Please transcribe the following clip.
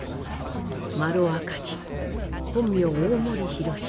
麿赤兒本名大森宏。